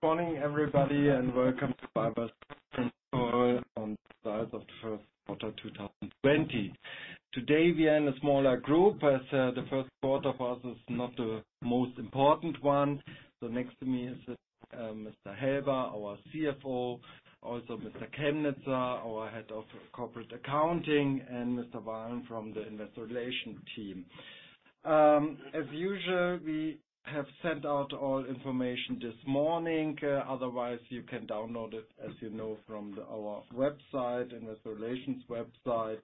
Good morning, everybody, welcome to BayWa's on the results of the Q1 2020. Today, we are in a smaller group as the Q1 for us is not the most important one. Next to me is Mr. Helber, our CFO, also Mr. Kemneter, our Head of Corporate Accounting, and Mr. Warren from the Investor Relations team. As usual, we have sent out all information this morning. Otherwise, you can download it, as you know, from our website, investor relations website.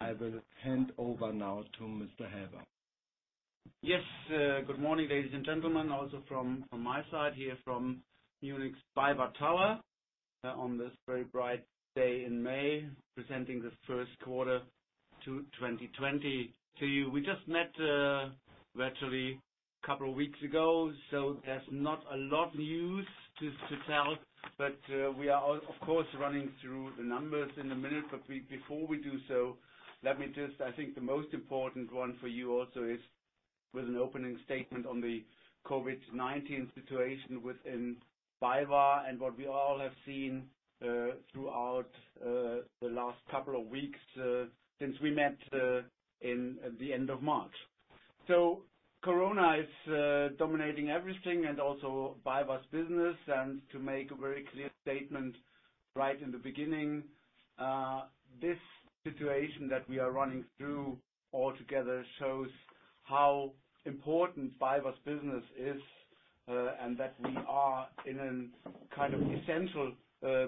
I will hand over now to Mr. Helber. Yes. Good morning, ladies and gentlemen. Also from my side here from Munich's BayWa Tower on this very bright day in May, presenting this Q1 to 2020 to you. We just met virtually a couple of weeks ago. So there's not a lot news to tell. But we are of course, running through the numbers in a minute. Before we do so, let me just I think the most important one for you also is with an opening statement on the COVID-19 situation within BayWa and what we all have seen, throughout the last couple of weeks, since we met in the end of March. So Corona is dominating everything and also BayWa's business. To make a very clear statement right in the beginning, this situation that we are running through altogether shows how important BayWa's business is, and that we are in an essential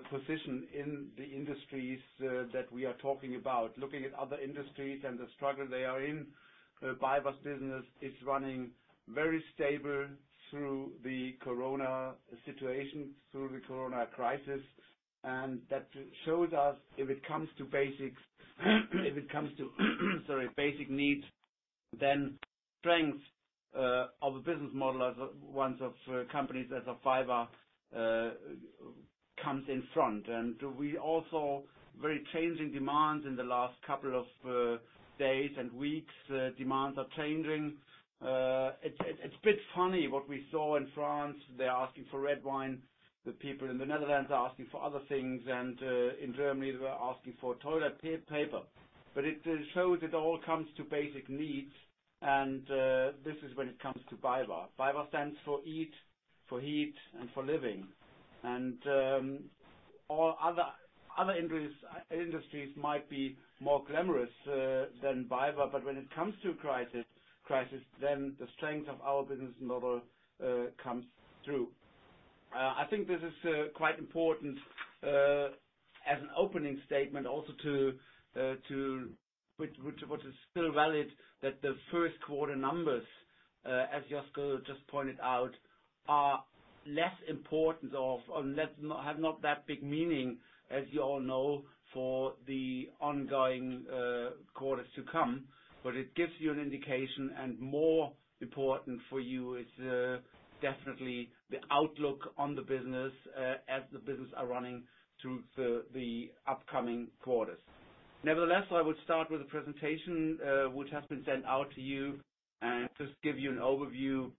position in the industries that we are talking about. Looking at other industries and the struggle they are in, BayWa's business is running very stable through the Corona situation, through the Corona crisis. That shows us if it comes to, sorry, basic needs, then strength of a business model as ones of companies as of BayWa comes in front. We also very changing demands in the last couple of days and weeks. Demands are changing. It's a bit funny what we saw in France. They're asking for red wine. The people in the Netherlands are asking for other things, and in Germany they were asking for toilet paper. It shows it all comes to basic needs, and this is when it comes to BayWa. BayWa stands for eat, for heat, and for living. And all other industries might be more glamorous than BayWa, but when it comes to crisis, then the strength of our business model comes through. I think this is quite important as an opening statement also which is still valid, that the Q1 numbers, as Josko just pointed out, are less important of, or have not that big meaning, as you all know, for the ongoing quarters to come. But it gives you an indication, and more important for you is definitely the outlook on the business as the business are running through the upcoming quarters. Nevertheless I would start with the presentation, which has been sent out to you and just give you an overview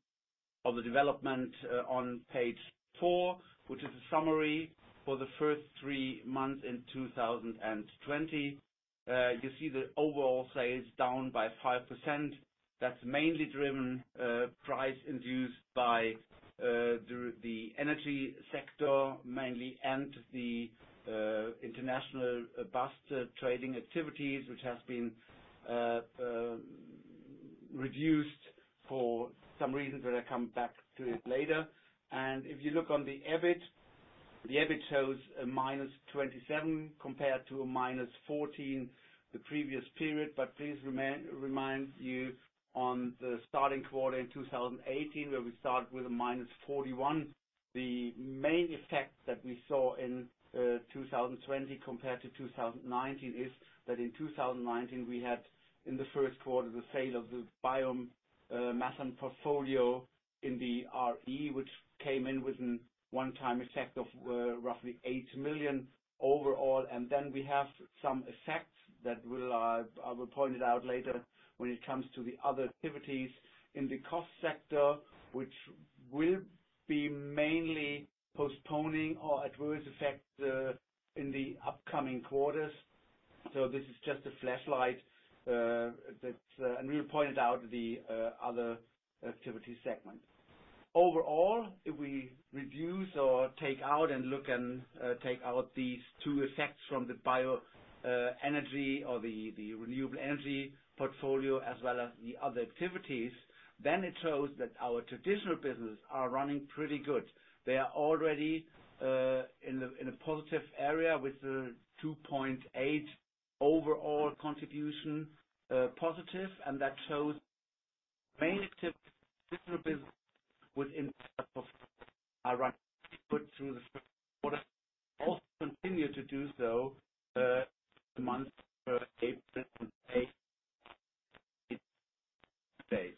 of the development on page four, which is a summary for the first three months in 2020. You see the overall sales down by 5%. That's mainly driven price induced by the energy sector mainly, and the international BAST trading activities, which has been reduced for some reasons that I come back to it later. If you look on the EBIT. The EBIT shows a -27 compared to a -14 the previous period. Please remind you on the starting quarter in 2018, where we started with a -41. The main effect that we saw in 2020 compared to 2019 is that in 2019, we had in the Q1, the sale of the biomethane portfolio in the RE, which came in with an one-time effect of roughly 8 million overall. We have some effects that I will point it out later when it comes to the other activities in the cost sector, which will be mainly postponing or adverse effect in the upcoming quarters. So this is just a flashlight. We pointed out the other activity segment. Overall, if we reduce or take out and look and take out these two effects from the bio energy or the renewable energy portfolio as well as the other activities, then it shows that our traditional business are running pretty good. They are already in a positive area with a two point eight overall contribution positive. That shows main top business within are running good through the Q1, also continue to do so the months April to May stage.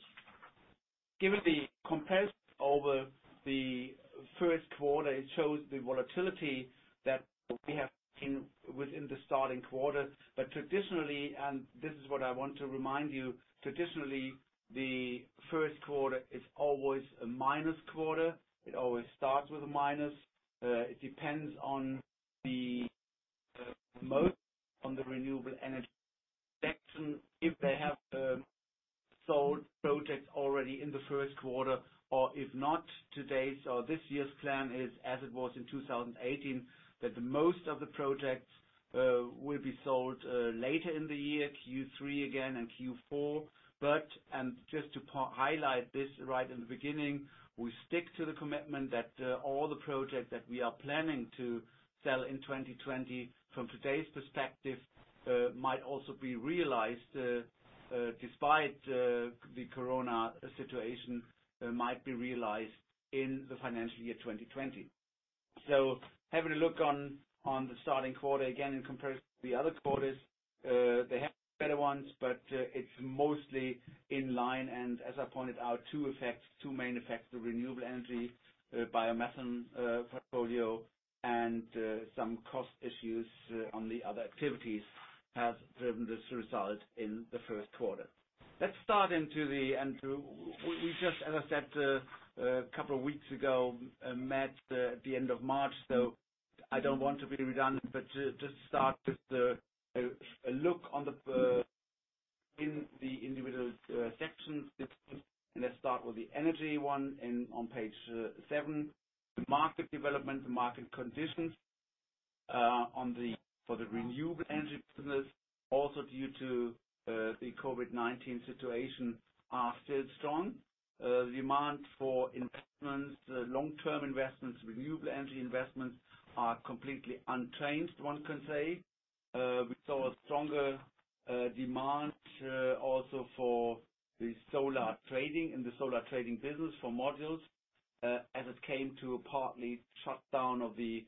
Given the comparison over the Q1, it shows the volatility that we have seen within the starting quarter. Traditionally, and this is what I want to remind you, traditionally, the Q1 is always a minus quarter. It always starts with a minus. It depends on the most on the renewable energy section, if they have sold projects already in the Q1 or if not. Today's or this year's plan is as it was in 2018, that the most of the projects will be sold later in the year, Q3 again and Q4. And just to highlight this right in the beginning, we stick to the commitment that all the projects that we are planning to sell in 2020 from today's perspective might also be realized, despite the Corona situation, might be realized in the financial year 2020. Having a look on the starting quarter, again, in comparison to the other quarters, they have better ones, but it's mostly in line, and as I pointed out, two main effects, the renewable energy, biomethane portfolio, and some cost issues on the other activities have driven this result in the Q1. Lets get into the details. We just, as I said a couple of weeks ago, met at the end of March, so I don't want to be redundant, but just start with a look in the individual sections. Let's start with the energy one on page seven. The market development, the market conditions, for the renewable energy business, also due to the COVID-19 situation, are still strong. The demand for investments, long-term investments, renewable energy investments, are completely unchanged, one can say. We saw a stronger demand also for the solar trading, in the solar trading business for modules, as it came to partly shut down of the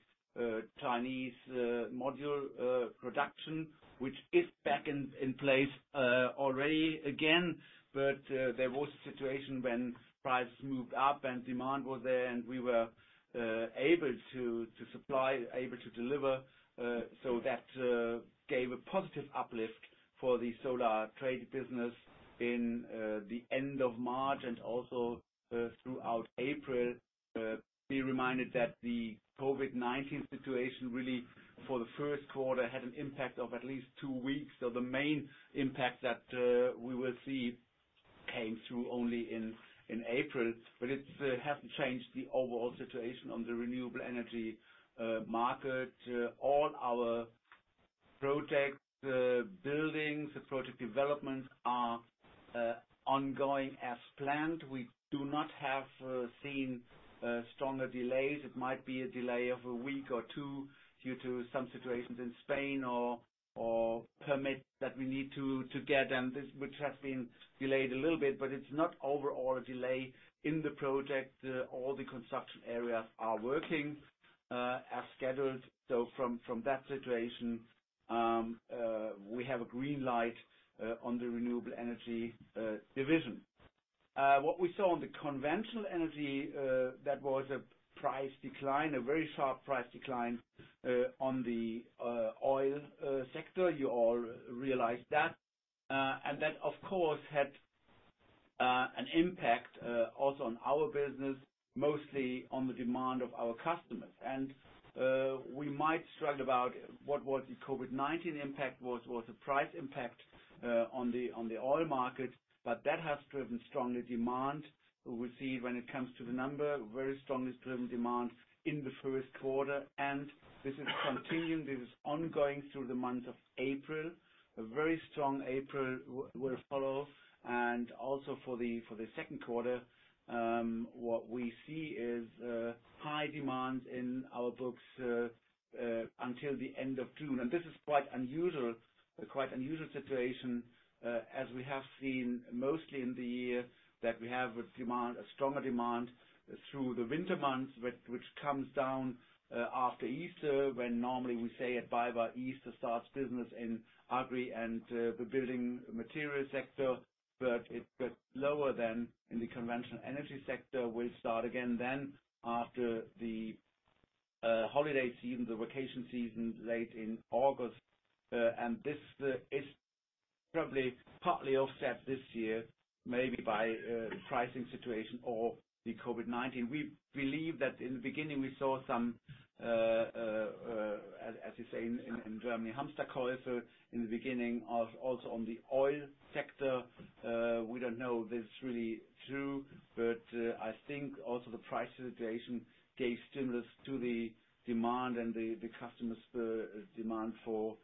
Chinese module production, which is back in place already again. There was a situation when prices moved up and demand was there, and we were able to supply, able to deliver. That gave a positive uplift for the solar trade business in the end of March and also throughout April. Be reminded that the COVID-19 situation really, for the Q1, had an impact of at least two weeks, so the main impact that we will see came through only in April. It hasn't changed the overall situation on the renewable energy market. All our projects, buildings, the project developments are ongoing as planned. We do not have seen stronger delays. It might be a delay of a week or two due to some situations in Spain or permits that we need to get, and which has been delayed a little bit, but it's not overall a delay in the project. All the construction areas are working as scheduled. From that situation, we have a green light on the renewable energy division. What we saw on the conventional energy, that was a price decline, a very sharp price decline on the oil sector. You all realized that. That, of course, had an impact also on our business, mostly on the demand of our customers. We might struggle about what was the COVID-19 impact, what was the price impact on the oil market, but that has driven stronger demand. We will see when it comes to the number, very strongly driven demand in the Q1. This is continuing, this is ongoing through the month of April. A very strong April will follow. Also for the Q2, what we see is high demand in our books until the end of June. This is quite unusual situation, as we have seen mostly in the year that we have a stronger demand through the winter months, which comes down after Easter, when normally we say at BayWa, Easter starts business in agri and the building material sector. But its lower than in the conventional energy sector will start again then after the holiday season, the vacation season, late in August. And this is probably partly offset this year, maybe by the pricing situation or the COVID-19. We believe that in the beginning, we saw some, as you say in Germany, Hamsterkäufe in the beginning, also on the oil sector. We don't know if this is really true, but I think also the price situation gave stimulus to the demand and the customers' demand for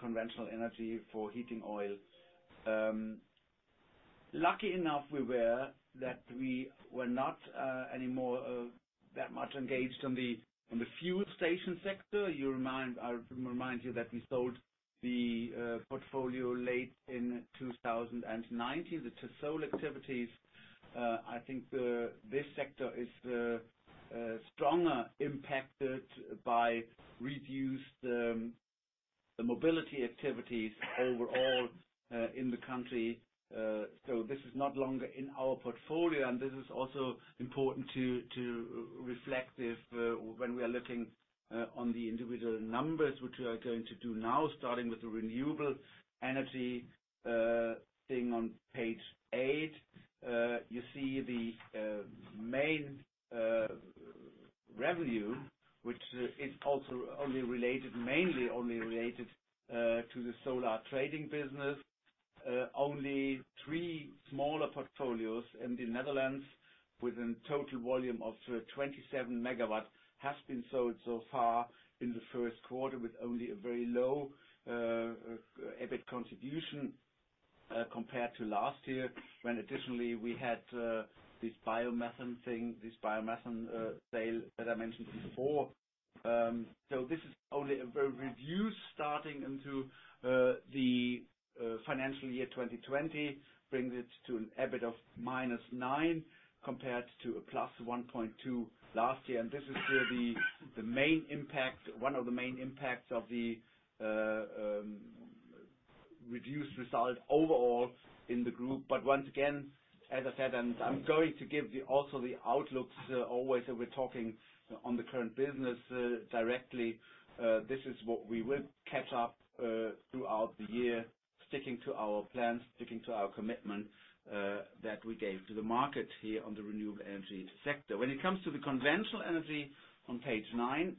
conventional energy for heating oil. Lucky enough we were that we were not anymore that much engaged on the fuel station sector. I remind you that we sold the portfolio late in 2019. The sole activities, I think this sector is stronger impacted by reduced mobility activities overall in the country. This is no longer in our portfolio, and this is also important to reflect when we are looking on the individual numbers, which we are going to do now, starting with the renewable energy thing on page eight. You see the main revenue, which is also mainly only related to the solar trading business. Only three smaller portfolios in the Netherlands, with a total volume of 27 MW, has been sold so far in the Q1, with only a very low EBIT contribution compared to last year, when additionally we had this biomass sale that I mentioned before. This is only a very reduced starting into the financial year 2020, brings it to an EBIT of EUR -nine compared to +one point two last year. This is really one of the main impacts of the reduced result overall in the group. Once again, as I said, and I'm going to give also the outlooks always that we're talking on the current business directly. This is what we will catch up throughout the year, sticking to our plans, sticking to our commitment that we gave to the market here on the renewable energy sector. When it comes to the conventional energy on page nine,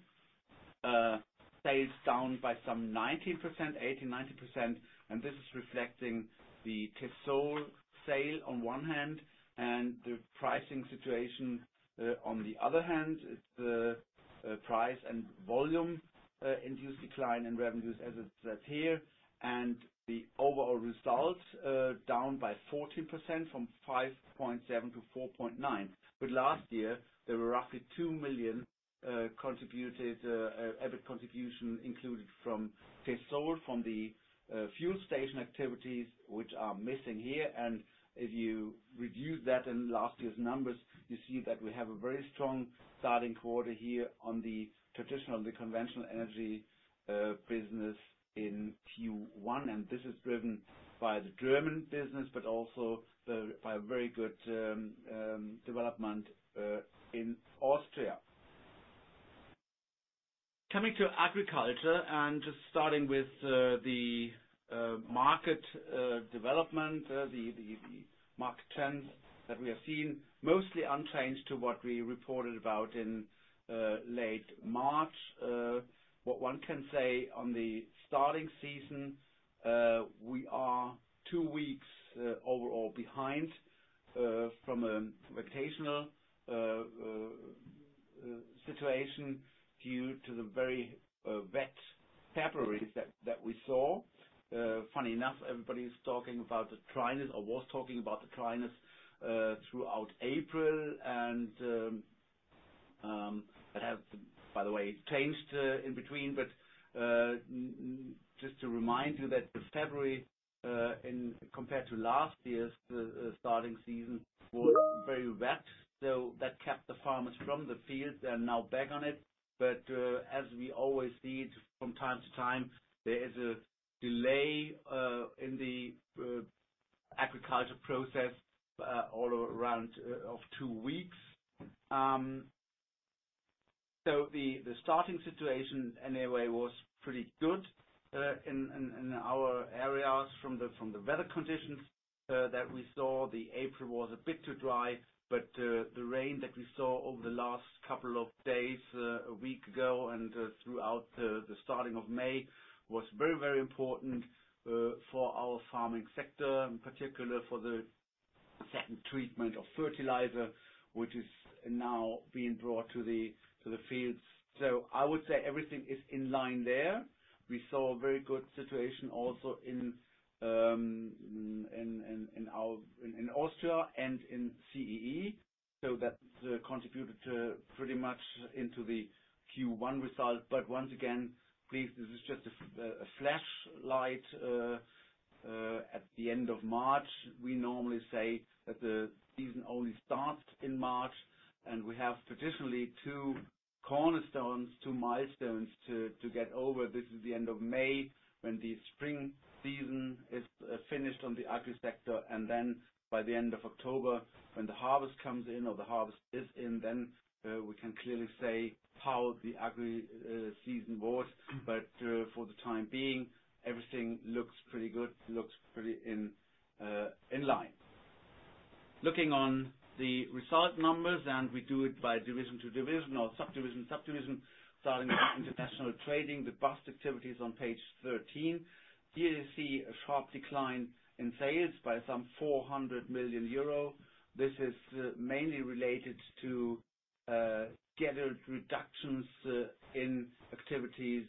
sales down by some 19%, 18%, 19%, and this is reflecting the TESSOL sale on one hand and the pricing situation on the other hand. It's the price and volume-induced decline in revenues as it's here. The overall results are down by 14%, from five point seven to four point nine. Last year, there were roughly 2 million EBIT contribution included from TESSOL, from the fuel station activities which are missing here. If you review that in last year's numbers, you see that we have a very strong starting quarter here on the traditional, the conventional energy business in Q1. This is driven by the German business, but also by a very good development in Austria. Coming to agriculture and just starting with the market development, the market trends that we have seen, mostly unchanged to what we reported about in late March. What one can say on the starting season, we are two weeks overall behind from a seasonal situation due to the very wet February that we saw. Funny enough, everybody's talking about the dryness or was talking about the dryness throughout April and, that has, by the way, changed in between. Just to remind you that February, compared to last year's starting season, was very wet, so that kept the farmers from the fields. They are now back on it. As we always see from time to time, there is a delay in the agriculture process all around of two weeks. The starting situation anyway was pretty good in our areas from the weather conditions that we saw. The April was a bit too dry, but the rain that we saw over the last couple of days, a week ago and throughout the starting of May, was very important for our farming sector, in particular for the second treatment of fertilizer, which is now being brought to the fields. I would say everything is in line there. We saw a very good situation also in Austria and in CEE, so that contributed pretty much into the Q1 result. Once again, please, this is just a flashlight. At the end of March, we normally say that the season only starts in March, and we have traditionally two cornerstones, two milestones to get over. This is the end of May, when the spring season is finished on the Agri sector, and then by the end of October, when the harvest comes in or the harvest is in, then we can clearly say how the Agri season was. For the time being, everything looks pretty good, looks pretty in line. Looking on the result numbers, and we do it by division to division or subdivision to subdivision, starting with international trading, the BAST activity is on page 13. Here you see a sharp decline in sales by some 400 million euro. This is mainly related to gathered reductions in activities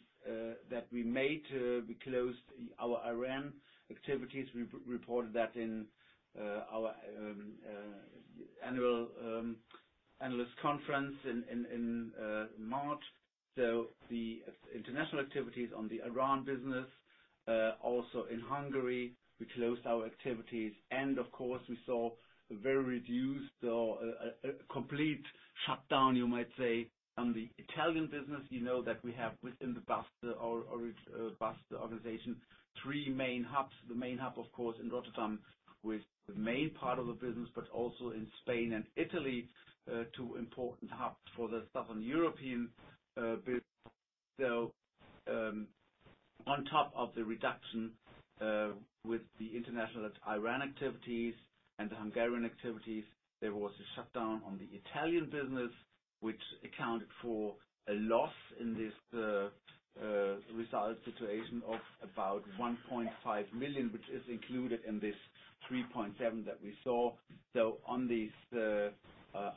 that we made. We closed our Iran activities. We reported that in our annual analyst conference in March. The international activities on the Iran business. Also in Hungary, we closed our activities and, of course, we saw a very reduced or a complete shutdown, you might say, on the Italian business. You know that we have within the BAST organization, three main hubs. The main hub, of course, in Rotterdam with the main part of the business, but also in Spain and Italy, two important hubs for the Southern European business. On top of the reduction with the international Iran activities and the Hungarian activities, there was a shutdown on the Italian business, which accounted for a loss in this result situation of about 1.5 million, which is included in this 3.7 that we saw. On these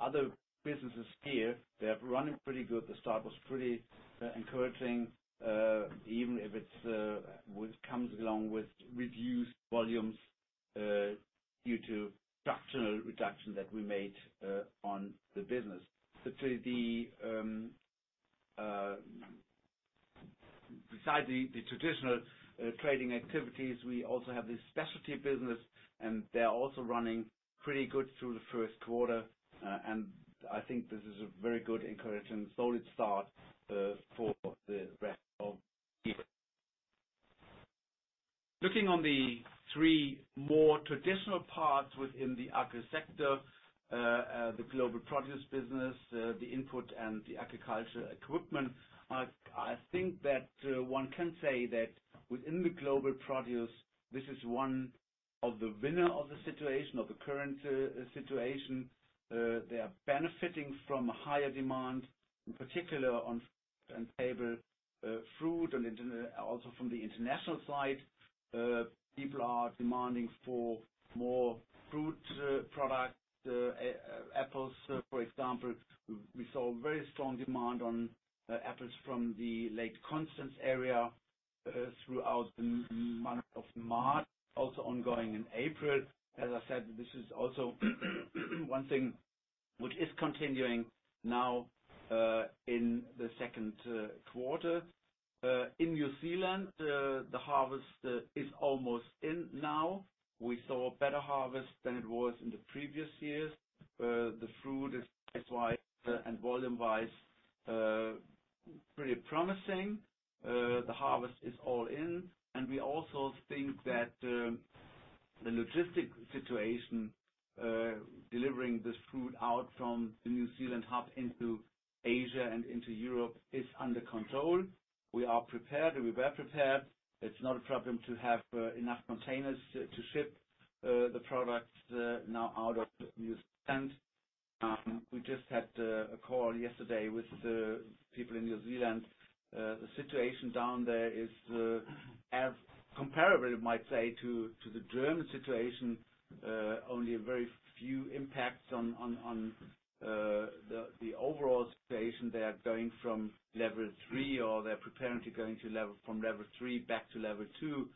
other businesses here, they're running pretty good. The start was pretty encouraging, even if it comes along with reduced volumes due to structural reduction that we made on the business. Besides the traditional trading activities, we also have this specialty business. They are also running pretty good through the Q1. I think this is a very good encouraging, solid start for the rest of the year. Looking on the three more traditional parts within the agri sector, the BayWa Global Produce business, the input and the agriculture equipment, I think that one can say that within the BayWa Global Produce, this is one of the winner of the situation, of the current situation. They are benefiting from a higher demand, in particular table fruit and also from the international side. People are demanding for more fruit product, apples, for example. We saw a very strong demand on apples from the Lake Constance area throughout the month of March, also ongoing in April. As I said, this is also one thing which is continuing now in the Q2. In New Zealand, the harvest is almost in now. We saw a better harvest than it was in the previous years. The fruit is price-wise and volume-wise pretty promising. The harvest is all in. And we also think that the logistic situation, delivering this fruit out from the New Zealand hub into Asia and into Europe, is under control. We are prepared, or we were prepared. It's not a problem to have enough containers to ship the products now out of New Zealand. We just had a call yesterday with the people in New Zealand. The situation down there is comparable, you might say, to the German situation. Only a very few impacts on the overall situation. They are going from level three or they're preparing to going from level three back to level two.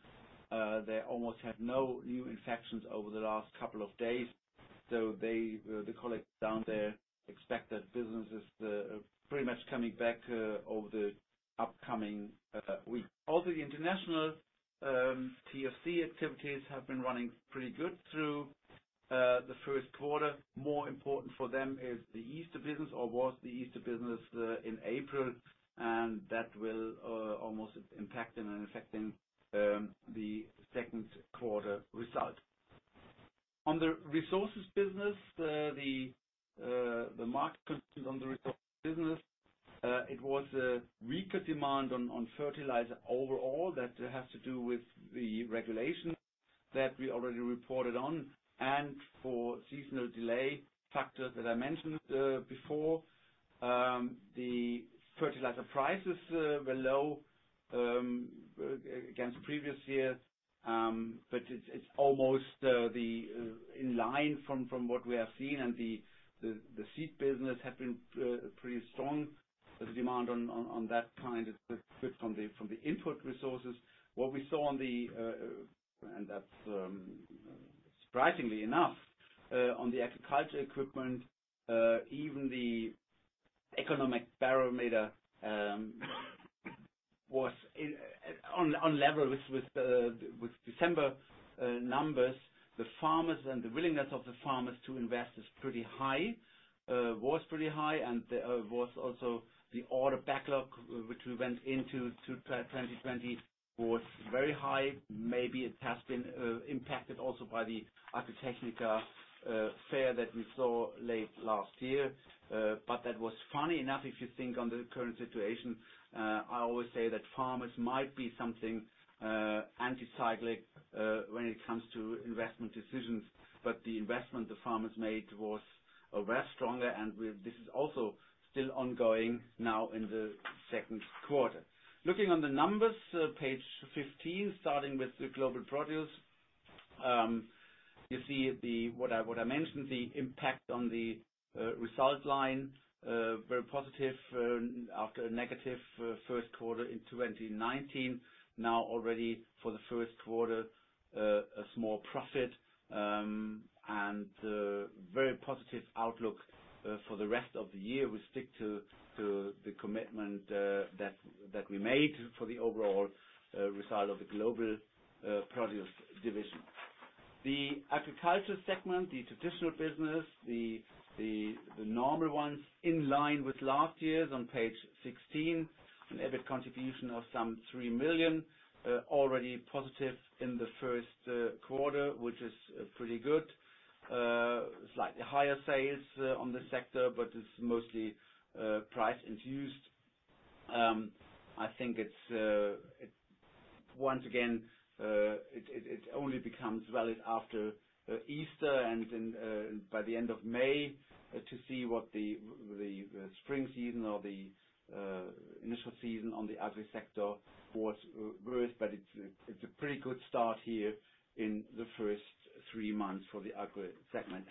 They almost have no new infections over the last couple of days. The colleagues down there expect that business is pretty much coming back over the upcoming week. All the international TFC activities have been running pretty good through the Q1. More important for them is the Easter business or was the Easter business in April, and that will almost impact and affecting the Q2 result. On the resources business, the market conditions on the resources business, it was a weaker demand on fertilizer overall that has to do with the regulation that we already reported on and for seasonal delay factors that I mentioned before. The fertilizer prices were low against previous years. It's almost in line from what we have seen and the seed business have been pretty strong. The demand on that kind of slipped from the input resources. That's surprisingly enough, on the agriculture equipment, even the economic barometer was on level with December numbers. The farmers and the willingness of the farmers to invest is pretty high, was pretty high, and was also the order backlog, which we went into 2020, was very high. Maybe it has been impacted also by the AGRITECHNICA fair that we saw late last year. That was funny enough, if you think on the current situation, I always say that farmers might be something anti-cyclic when it comes to investment decisions. But the investment the farmers made was a way stronger, and this is also still ongoing now in Q2. Looking on the numbers, page 15, starting with BayWa Global Produce. You see what I mentioned, the impact on the result line, very positive after a negative Q1 in 2019. Now already for Q1, a small profit and very positive outlook for the rest of the year. We stick to the commitment that we made for the overall result of the BayWa Global Produce division. The agriculture segment, the traditional business, the normal ones in line with last year's on page 16, an EBIT contribution of some 3 million, already positive in Q1, which is pretty good. Slightly higher sales on the sector, it's mostly price induced. I think, once again it only becomes valid after Easter and then by the end of May to see what the spring season or the initial season on the agri sector was worth. It's a pretty good start here in the first three months for the agri segment.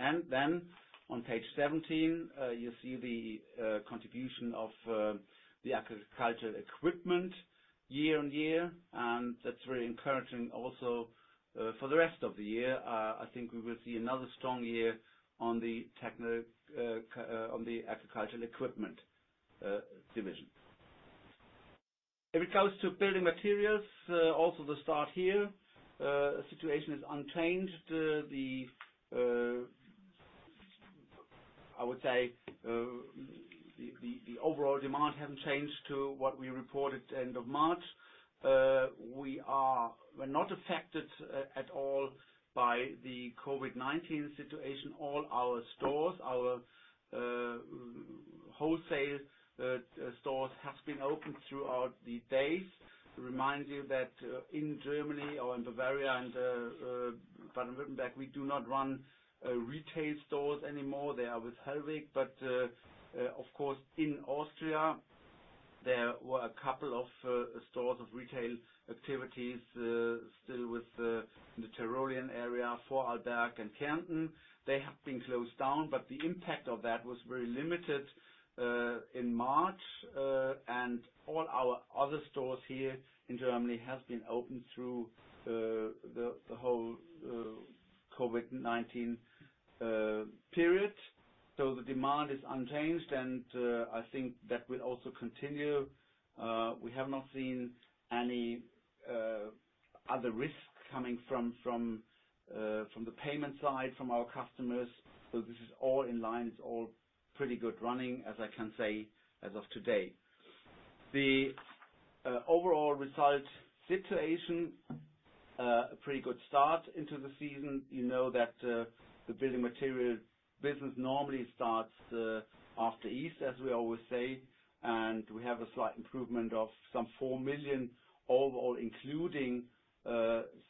On page 17, you see the contribution of the agriculture equipment year-over-year, and that's very encouraging also for the rest of the year. I think we will see another strong year on the agricultural equipment division. If it comes to building materials, also the start here, the situation is unchanged. I would say, the overall demand hasn't changed to what we reported end of March. We're not affected at all by the COVID-19 situation. All our stores, our wholesale stores have been open throughout the days. To remind you that in Germany or in Bavaria and Baden-Württemberg, we do not run retail stores anymore. They are with HELLWEG. Of course, in Austria, there were a couple of stores of retail activities still with the Tyrolean area, Vorarlberg and Kärnten. They have been closed down, the impact of that was very limited in March. All our other stores here in Germany have been open through the whole COVID-19 period. The demand is unchanged, and I think that will also continue. We have not seen any other risks coming from the payment side, from our customers. This is all in line. It's all pretty good running as I can say as of today. The overall result situation, a pretty good start into the season. You know that the building material business normally starts after Easter, as we always say. We have a slight improvement of some 4 million overall, including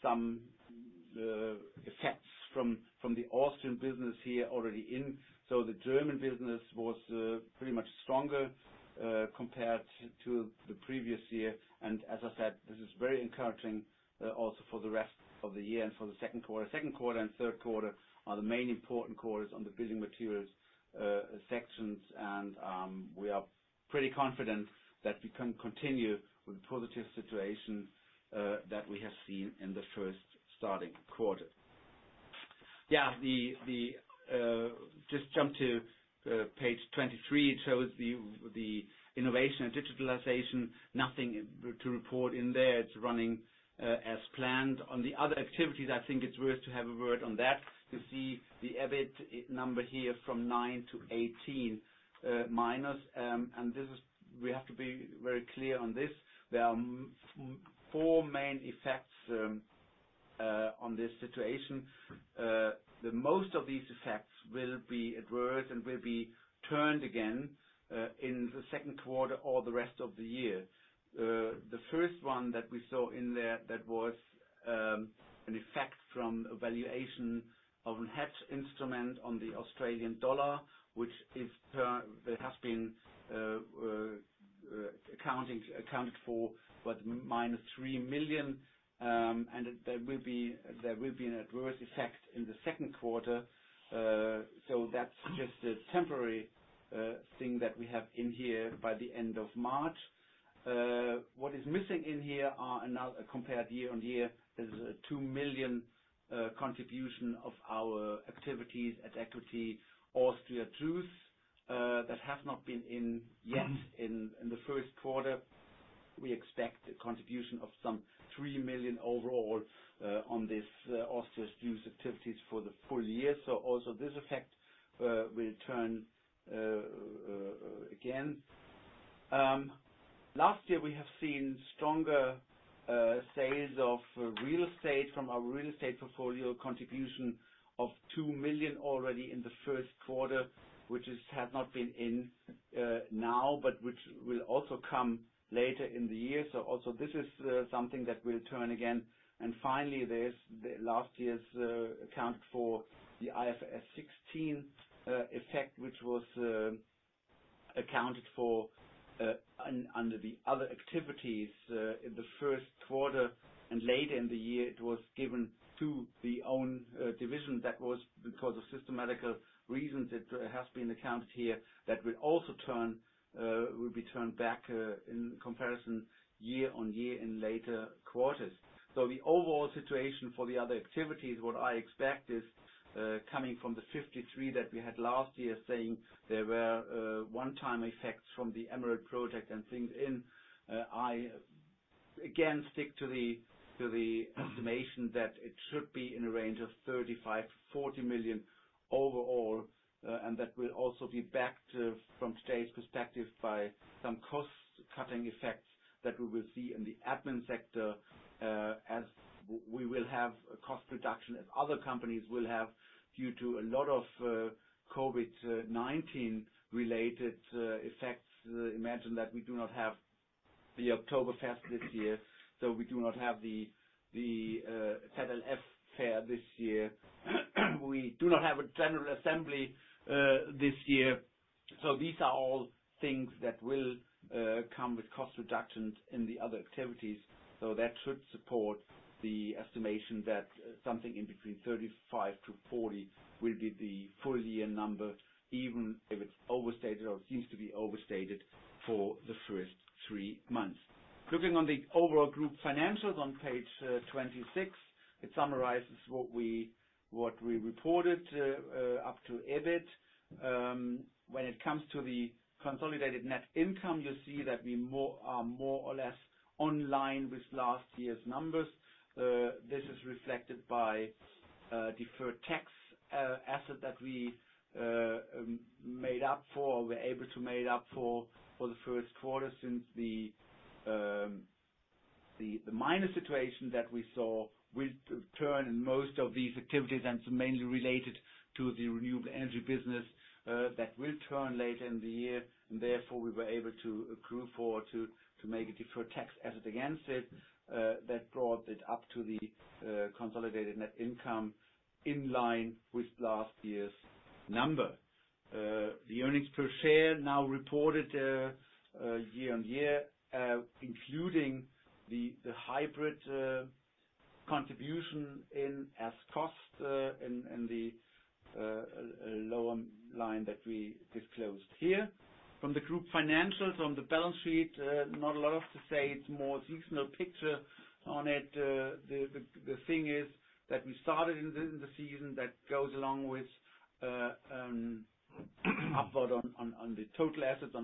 some effects from the Austrian business here already in. The German business was pretty much stronger compared to the previous year. As I said, this is very encouraging also for the rest of the year and for the Q2. Q2 and Q3 are the main important quarters on the building materials sections. We are pretty confident that we can continue with the positive situation that we have seen in the first starting quarter. Just jump to page 23. It shows the innovation and digitalization. Nothing to report in there. It's running as planned. On the other activities, I think it is worth to have a word on that to see the EBIT number here from nine to 18 minus. We have to be very clear on this. There are four main effects on this situation. Most of these effects will be adverse and will be turned again in the Q2 or the rest of the year. The first one that we saw in there that was an effect from a valuation of a hedge instrument on the Australian dollar, which it has been accounted for, minus 3 million. There will be an adverse effect in the Q2. That's just a temporary thing that we have in here by the end of March. What is missing in here are another compared year-over-year. There's a 2 million contribution of our activities at-equity AUSTRIA JUICE that has not been in yet in the Q1. We expect a contribution of some 3 million overall on this AUSTRIA JUICE activities for the full year. Also this effect will turn again. Last year, we have seen stronger sales of real estate from our real estate portfolio contribution of 2 million already in the Q1, which has not been in now, but which will also come later in the year. Also this is something that will turn again. Finally, there's last year's accounted for the IFRS 16 effect, which was accounted for under the other activities in the Q1 and later in the year, it was given to the own division. That was because of systematic reasons. It has been accounted here that will also be turned back in comparison year-over-year in later quarters. The overall situation for the other activities, what I expect, is coming from the 53 that we had last year, saying there were one-time effects from the Emerald project and things in. I, again, stick to the estimation that it should be in a range of 35 million-40 million overall, and that will also be backed from today's perspective by some cost-cutting effects that we will see in the admin sector, as we will have a cost reduction, as other companies will have due to a lot of COVID-19 related effects. Imagine that we do not have the Oktoberfest this year, so we do not have the Fedel F fair this year. We do not have a general assembly this year. So these are all things that will come with cost reductions in the other activities. That should support the estimation that something in between 35-40 will be the full year number, even if it's overstated or seems to be overstated for the first three months. Looking on the overall group financials on page 26, it summarizes what we reported up to EBIT. When it comes to the consolidated net income, you'll see that we are more or less online with last year's numbers. This is reflected by deferred tax asset that we made up for or were able to made up for the Q1, since the minor situation that we saw will turn in most of these activities and it's mainly related to the renewable energy business that will turn later in the year. Therefore, we were able to make a deferred tax asset against it that brought it up to the consolidated net income in line with last year's number. The earnings per share now reported year-over-year, including the hybrid contribution in as cost in the lower line that we disclosed here. From the group financials on the balance sheet, not a lot to say, it's more seasonal picture on it. The thing is that we started in the season that goes along with upward on the total assets,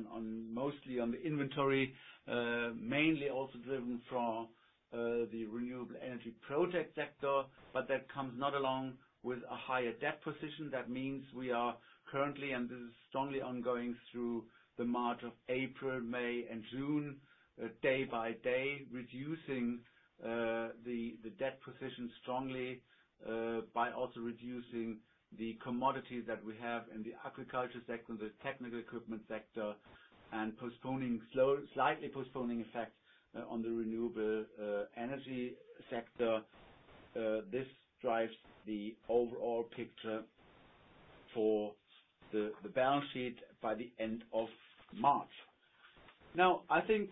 mostly on the inventory. Mainly also driven from the renewable energy project sector, that comes not along with a higher debt position. That means we are currently, and this is strongly ongoing through March, April, May and June, day by day, reducing the debt position strongly, by also reducing the commodity that we have in the agriculture sector and the technical equipment sector and slightly postponing effect on the renewable energy sector. This drives the overall picture for the balance sheet by the end of March. Now, I think,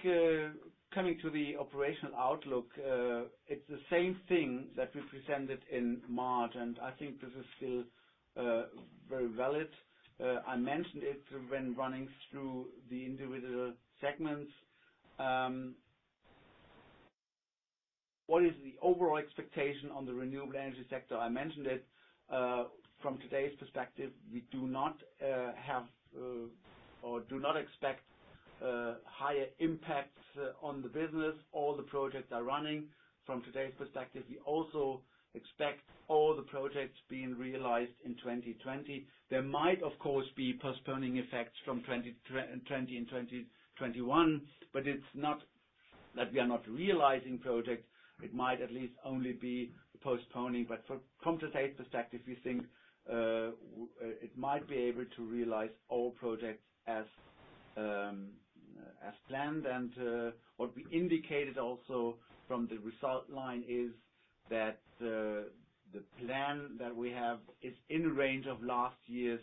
coming to the operational outlook, it's the same thing that we presented in March, and I think this is still very valid. I mentioned it when running through the individual segments. What is the overall expectation on the renewable energy sector? I mentioned it. From today's perspective, we do not have or do not expect higher impacts on the business. All the projects are running. From today's perspective, we also expect all the projects being realized in 2020. There might, of course, be postponing effects from 2020 and 2021, but it's not that we are not realizing projects. It might at least only be postponing. But from today's perspective, we think it might be able to realize all projects as planned. What we indicated also from the result line is that the plan that we have is in range of last year's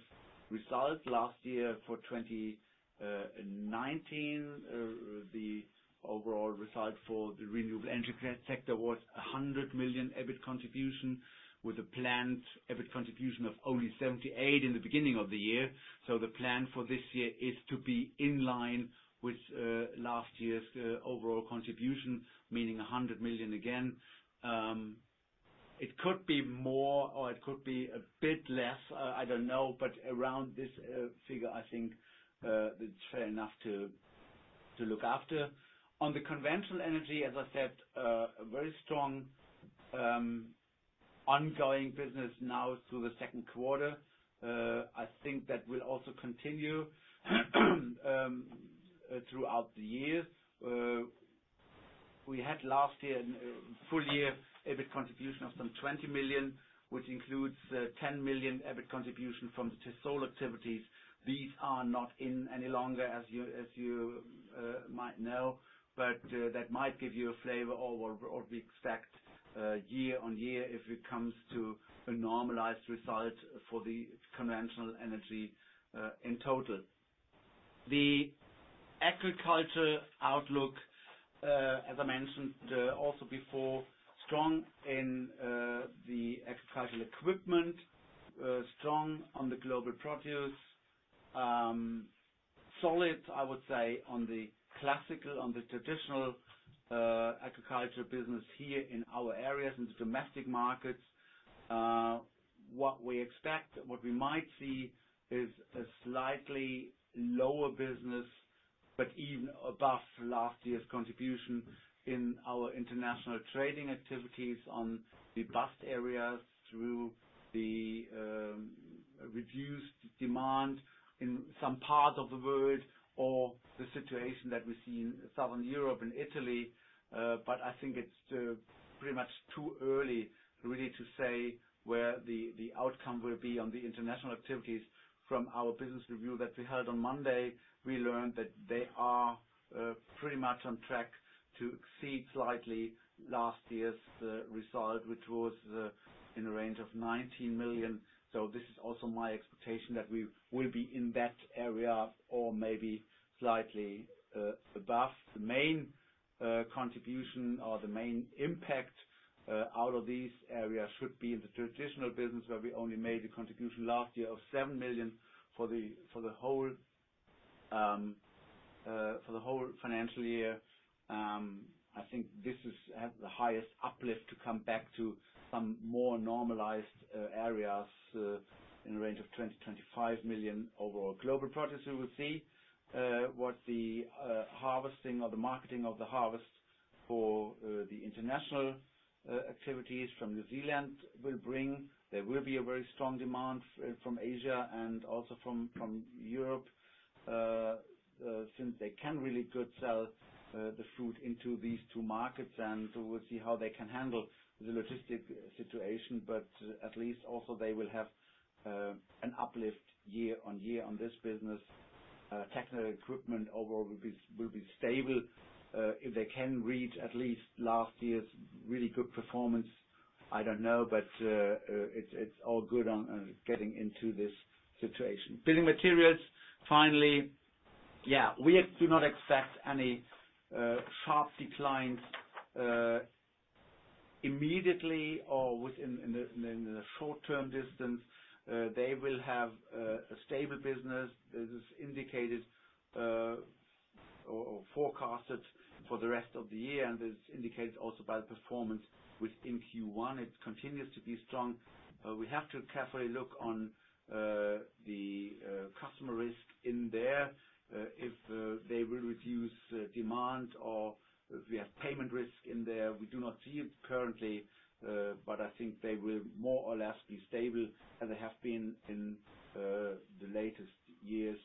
result. Last year for 2019, the overall result for the renewable energy sector was 100 million EBIT contribution with a planned EBIT contribution of only 78 in the beginning of the year. The plan for this year is to be in line with last year's overall contribution, meaning 100 million again. It could be more or it could be a bit less, I don't know. Around this figure, I think, it's fair enough to look after. On the conventional energy, as I said, a very strong ongoing business now through the Q2. I think that will also continue throughout the year. We had last year, a full year EBIT contribution of some 20 million, which includes 10 million EBIT contribution from the solar activities. These are not in any longer, as you might know. But it might give you a flavor of what we expect year on year if it comes to a normalized result for the conventional energy in total. The agriculture outlook, as I mentioned also before, strong in the agricultural equipment, strong on the Global Produce. Solid, I would say, on the classical, on the traditional agriculture business here in our areas, in the domestic markets. What we expect, what we might see is a slightly lower business, but even above last year's contribution in our international trading activities on the BAST areas through the reduced demand in some parts of the world or the situation that we see in Southern Europe and Italy. I think it's pretty much too early really to say where the outcome will be on the international activities from our business review that we held on Monday. We learned that they are pretty much on track to exceed slightly last year's result, which was in a range of 19 million. So this is also my expectation that we will be in that area or maybe slightly above. The main contribution or the main impact out of these areas should be in the traditional business where we only made a contribution last year of 7 million for the whole financial year. I think this has the highest uplift to come back to some more normalized areas in the range of 20 million-25 million overall. Global Produce, we will see what the harvesting or the marketing of the harvest for the international activities from New Zealand will bring. There will be a very strong demand from Asia and also from Europe, since they can really good sell the fruit into these two markets. We will see how they can handle the logistic situation. But at least also they will have an uplift year-on-year on this business. Technical equipment overall will be stable. If they can reach at least last year's really good performance, I don't know. It's all good on getting into this situation. Building materials, finally. Yeah, we do not expect any sharp declines immediately or within the short-term distance. They will have a stable business. This is indicated or forecasted for the rest of the year, and this indicates also by the performance within Q1, it continues to be strong. We have to carefully look on the customer risk in there. If they will reduce demand or if we have payment risk in there. We do not see it currently, but I think they will more or less be stable, as they have been in the latest years,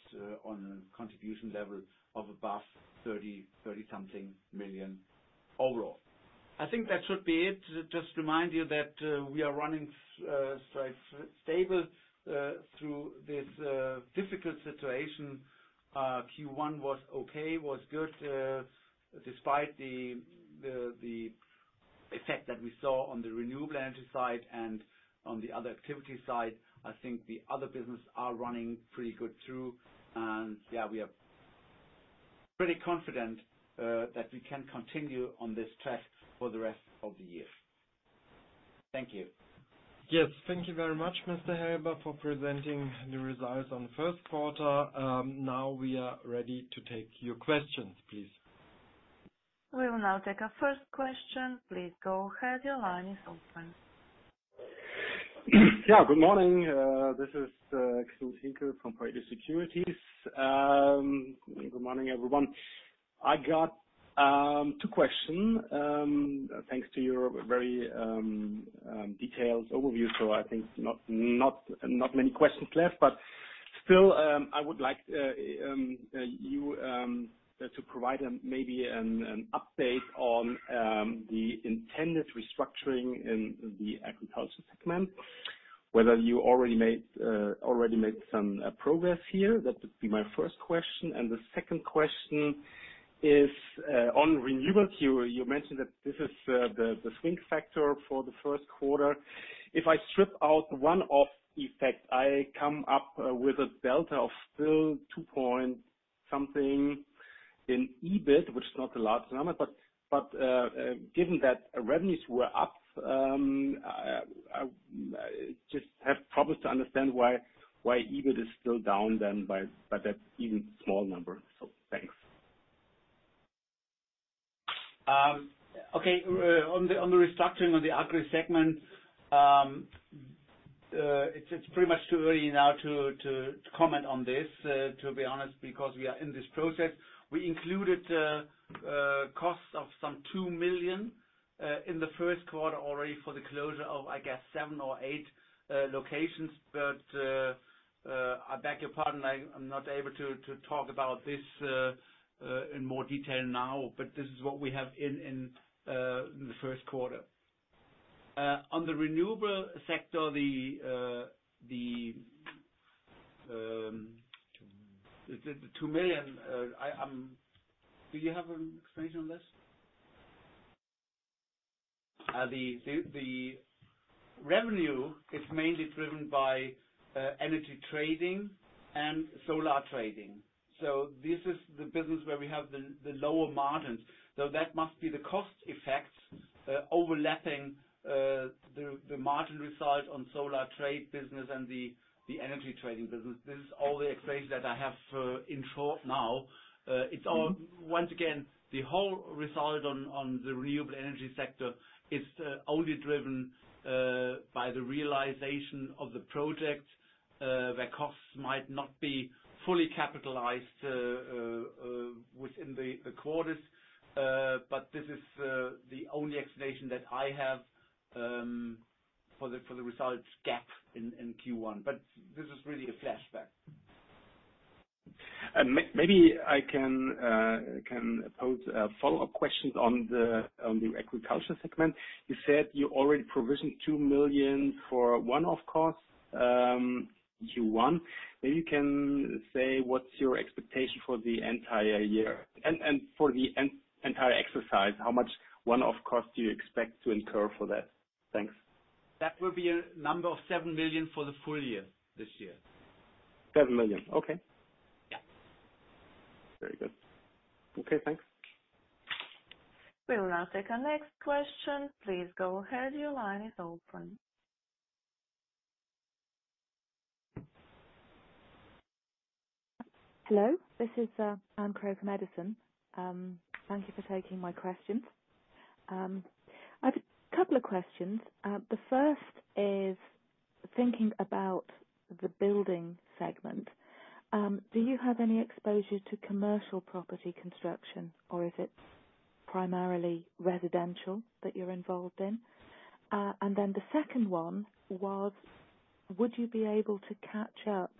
on a contribution level of above 30 something million overall. I think that should be it. Just remind you that we are running stable through this difficult situation. Q1 was okay, was good, despite the effect that we saw on the renewable energy side and on the other activity side. I think the other business are running pretty good, too. Yeah, we are pretty confident that we can continue on this track for the rest of the year. Thank you. Yes. Thank you very much, Mr. Helber, for presenting the results on the Q1. We are ready to take your questions, please. We will now take our first question. Please go ahead. Your line is open. Yeah, good morning. This is Christoph Hincke from Erste Securities. Good morning, everyone. I got two question. Thanks to your very detailed overview. I think not many questions left, but still, I would like you to provide maybe an update on the intended restructuring in the agriculture segment, whether you already made some progress here. That would be my first question. The second question is on renewable. You mentioned that this is the swing factor for the Q1. If I strip out one-off effect, I come up with a delta of still two-point-something in EBIT, which is not a large number. Given that revenues were up, I just have problems to understand why EBIT is still down then by that even small number. Thanks. On the restructuring of the agri segment, it's pretty much too early now to comment on this, to be honest, because we are in this process. We included costs of some 2 million in the Q1 already for the closure of, I guess, seven or eight locations. I beg your pardon, I'm not able to talk about this in more detail now, but this is what we have in the Q1. On the renewable sector. EUR 2 million. The 2 million. Do you have an explanation on this? The revenue is mainly driven by energy trading and solar trading. This is the business where we have the lower margins. That must be the cost effects overlapping the margin result on solar trade business and the energy trading business. This is all the explanation that I have in short now. Once again, the whole result on the renewable energy sector is only driven by the realization of the project, where costs might not be fully capitalized within the quarters. This is the only explanation that I have for the results gap in Q1. This is really a flashback. Maybe I can pose a follow-up question on the agriculture segment. You said you already provisioned 2 million for one-off costs, Q1. Maybe you can say what's your expectation for the entire year and for the entire exercise, how much one-off cost do you expect to incur for that? Thanks. That will be a number of 7 million for the full year, this year. 7 million. Okay. Yeah. Very good. Okay, thanks. We will now take our next question. Please go ahead. Your line is open. Hello, this is Anne Crowe, Metzler. Thank you for taking my question. I have a couple of questions. The first is thinking about the building segment. Do you have any exposure to commercial property construction, or is it primarily residential that you're involved in? And the second one was, would you be able to catch up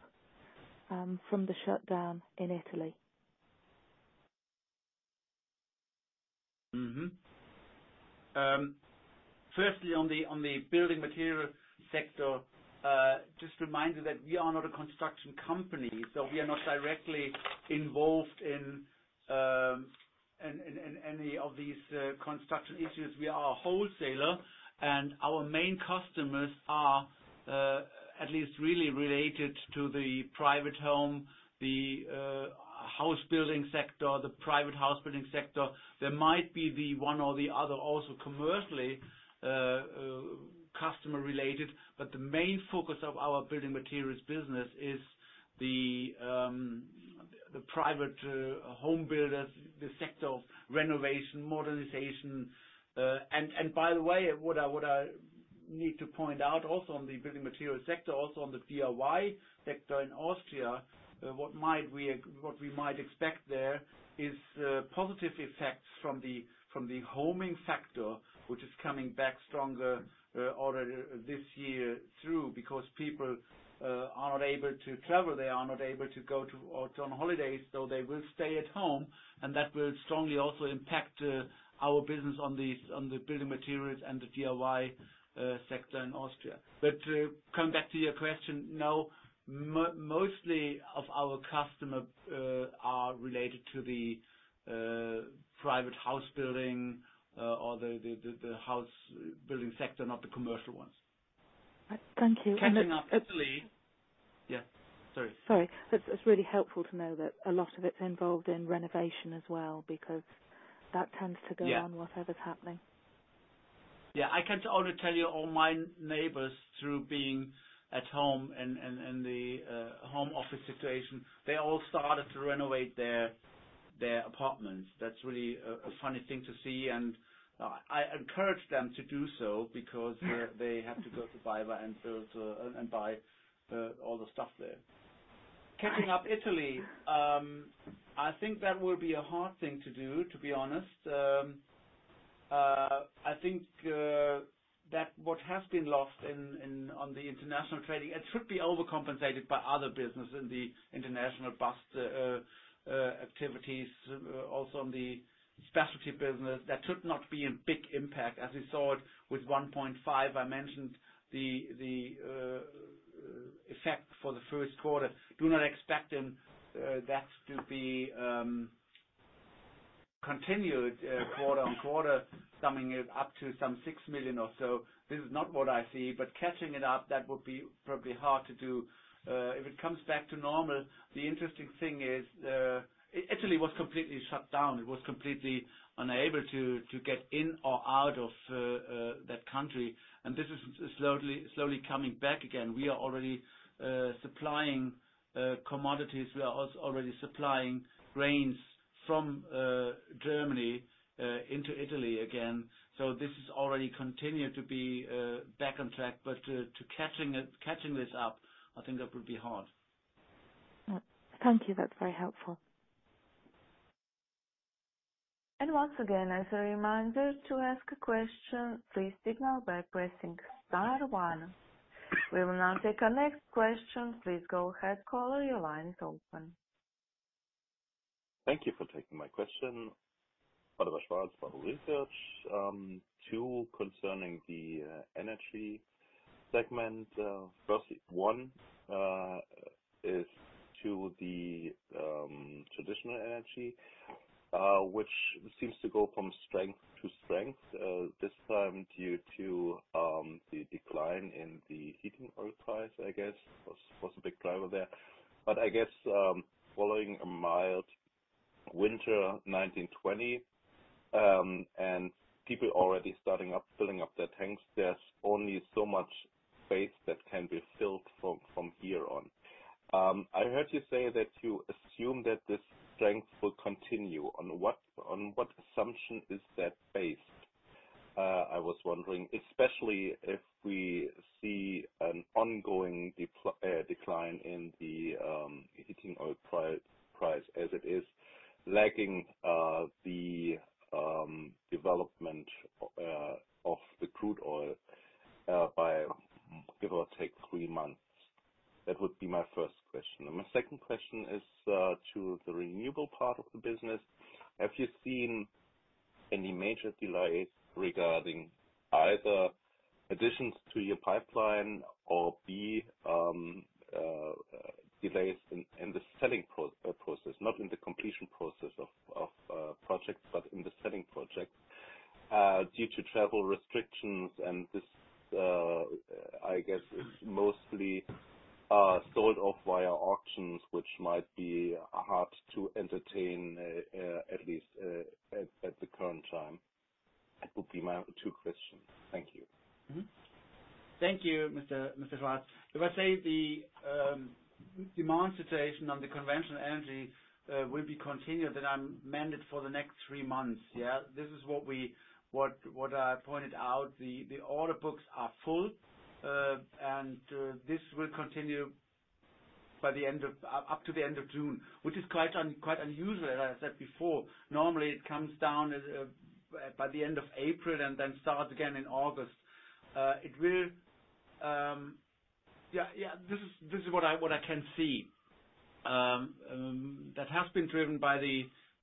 from the shutdown in Italy? On the building material sector, just remind you that we are not a construction company. We are not directly involved in any of these construction issues. We are a wholesaler. Our main customers are at least really related to the private home, the house building sector, the private house building sector. There might be the one or the other also commercially customer-related. The main focus of our building materials business is the private home builders, the sector of renovation, modernization. By the way, what I need to point out also on the building material sector, also on the DIY sector in Austria, what we might expect there is positive effects from the homing factor, which is coming back stronger already this year through, because people are not able to travel, they are not able to go on holidays, so they will stay at home, and that will strongly also impact our business on the building materials and the DIY sector in Austria. To come back to your question, no, mostly of our customers are related to the private house building or the house building sector, not the commercial ones. Thank you. Catching up Italy. Yeah. Sorry. Sorry. That's really helpful to know that a lot of it's involved in renovation as well because that tends to go on. Yeah whatever's happening. I can only tell you all my neighbors through being at home and the home office situation, they all started to renovate their apartments. That's really a funny thing to see, and I encourage them to do so because they have to go to BayWa and buy all the stuff there. Catching up Italy, I think that will be a hard thing to do, to be honest. I think that what has been lost on the international trading, it should be overcompensated by other business in the international bus activities, also on the specialty business. That should not be a big impact. As we saw it with one point five, I mentioned the effect for the Q1. Do not expect that to be continued quarter on quarter, summing it up to some 6 million or so. This is not what I see, but catching it up, that would be probably hard to do. If it comes back to normal, the interesting thing is Italy was completely shut down. It was completely unable to get in or out of that country. This is slowly coming back again. We are already supplying commodities. We are also already supplying grains from Germany into Italy again. This has already continued to be back on track. To catching this up, I think that would be hard. Thank you. That's very helpful. Once again, as a reminder to ask a question, please signal by pressing star one. We will now take our next question. Please go ahead, caller, your line is open. Thank you for taking my question. Oliver Schwarz, Baader Research. Two concerning the Energy segment, firstly, one is to the traditional Energy, which seems to go from strength to strength, this time due to the decline in the heating oil price, I guess, was a big driver there. I guess following a mild winter 2019, 2020, and people already starting up filling up their tanks, there's only so much space that can be filled from here on. I heard you say that you assume that this strength will continue. On what assumption is that based? I was wondering, especially if we see an ongoing decline in the heating oil price as it is lagging the development of the crude oil by give or take three months. That would be my first question. My second question is to the Renewable part of the business. Have you seen any major delays regarding either additions to your pipeline or, B, delays in the selling process, not in the completion process of projects, but in the selling projects, due to travel restrictions and this, I guess, is mostly sold off via auctions, which might be hard to entertain, at least at the current time? That would be my two questions. Thank you. Thank you, Mr. Schwarz. If I say the demand situation on the conventional energy will be continued, then I meant it for the next three months. This is what I pointed out. The order books are full, and this will continue up to the end of June, which is quite unusual, as I said before. Normally, it comes down by the end of April and then starts again in August. Yeah, this is what I can see. That has been driven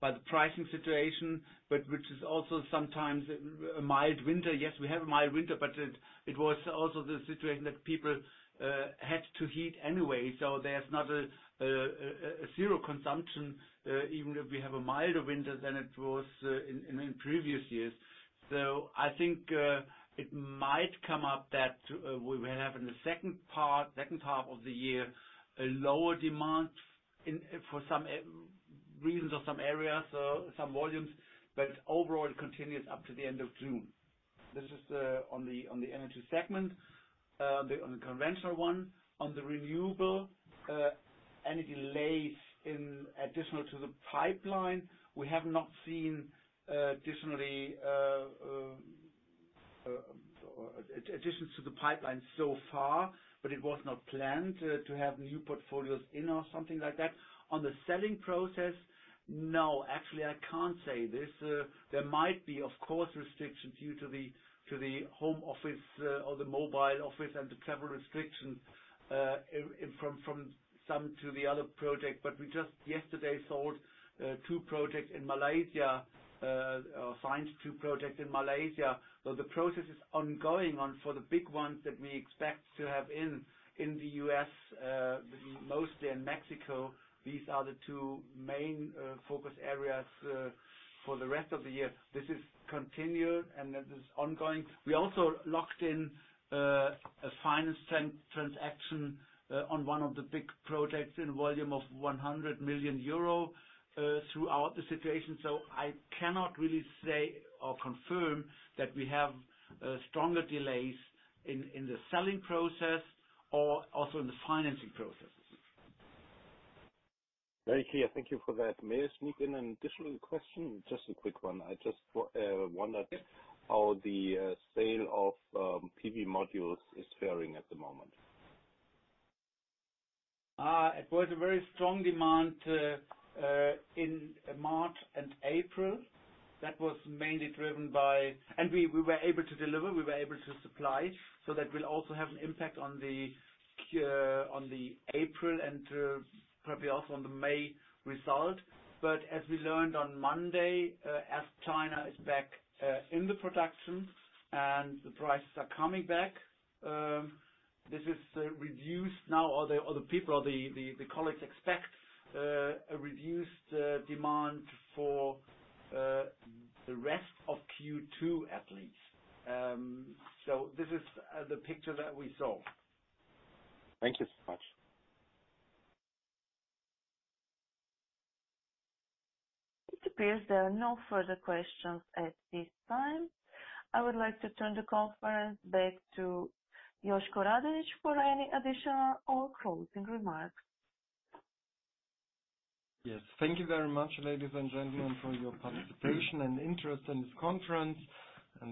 by the pricing situation, but which is also sometimes a mild winter. Yes, we have a mild winter, but it was also the situation that people had to heat anyway. There's not a zero consumption, even if we have a milder winter than it was in previous years. So I think it might come up that we will have in the second part of the year, a lower demand for some reasons or some areas, some volumes, but overall, it continues up to the end of June. This is on the energy segment, on the conventional one. On the renewable, any delays in additional to the pipeline, we have not seen additions to the pipeline so far, but it was not planned to have new portfolios in or something like that. On the selling process, no, actually, I can't say this. There might be, of course, restrictions due to the home office or the mobile office and the travel restrictions from some to the other project. We just yesterday sold two projects in Malaysia, signed two projects in Malaysia. The process is ongoing on for the big ones that we expect to have in the U.S., mostly in Mexico. These are the two main focus areas for the rest of the year. This is continued and this is ongoing. We also locked in a finance transaction on one of the big projects in volume of 100 million euro throughout the situation. I cannot really say or confirm that we have stronger delays in the selling process or also in the financing processes. Very clear. Thank you for that. May I sneak in an additional question? Just a quick one. Yeah how the sale of PV modules is fairing at the moment. It was a very strong demand in March and April. We were able to deliver, we were able to supply. That will also have an impact on the April and probably also on the May result. But as we learned on Monday, as China is back in the production and the prices are coming back, this is reduced now or the people or the colleagues expect a reduced demand for the rest of Q2 at least. So this is the picture that we saw. Thank you so much. It appears there are no further questions at this time. I would like to turn the conference back to Josko Radeljic for any additional or closing remarks. Thank you very much, ladies and gentlemen, for your participation and interest in this conference.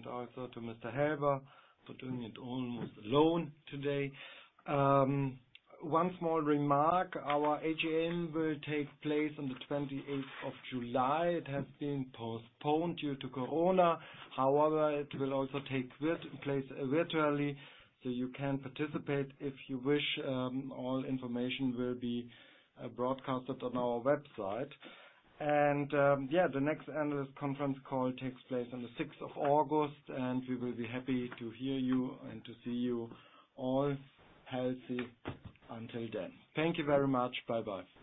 Also to Mr. Helber for doing it almost alone today. One small remark, our AGM will take place on the 28th of July. It has been postponed due to Corona. However it will also take place virtually. You can participate if you wish. All information will be broadcasted on our website. And, yeah, the next analyst conference call takes place on the 6th of August. We will be happy to hear you and to see you all healthy until then. Thank you very much. Bye-bye.